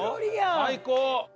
最高！